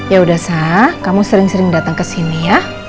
ya udah sa kamu sering sering dateng kesini ya